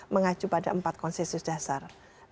mengacu pada empat konsensus dasar